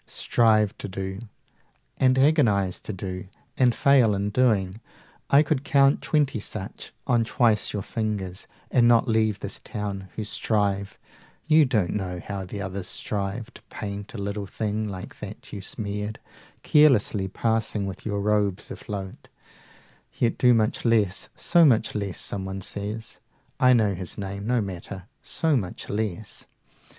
strive to do, and agonize to do, 70 And fail in doing. I could count twenty such On twice your fingers, and not leave this town, Who strive you don't know how the others strive To paint a little thing like that you smeared Carelessly passing with your robes afloat 75 Yet do much less, so much less, Someone says, (I know his name, no matter) so much less!